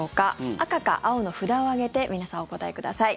赤か青の札を上げて皆さんお答えください。